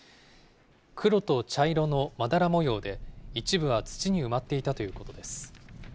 黒と茶色のまだら模様で、一部は土に埋まっていたということです。